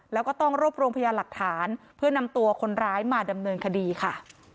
แล้วก็ต้องรวบรวมพยานหลักฐานเพื่อนำตัวคนร้ายมาดำเนินคดีค่ะ